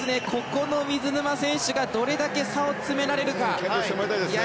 この水沼選手がどれだけ差を詰められるか。